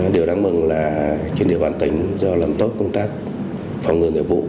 điều đáng mừng là trên địa bàn tỉnh do làm tốt công tác phòng ngừa nội vụ